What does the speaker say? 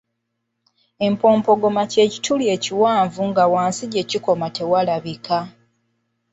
Empompogoma ky’ekituli ekiwanvu nga wansi gye kikoma terabika.